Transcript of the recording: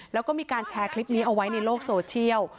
แล้วก็มีการแชร์คลิปนี้เอาไว้ในโลกโซเชียล